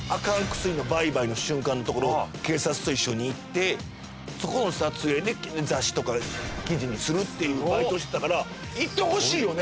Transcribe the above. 薬の売買の瞬間のところ警察と一緒に行ってそこの撮影で雑誌とか記事にするっていうバイトしてたから行ってほしいよね